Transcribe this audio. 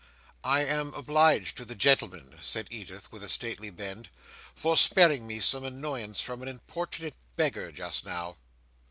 "I am obliged to the gentleman," said Edith, with a stately bend, "for sparing me some annoyance from an importunate beggar just now."